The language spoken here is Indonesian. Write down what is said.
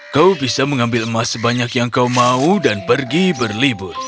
kau bisa mengambil emas sebanyak yang kau mau dan pergi berlibur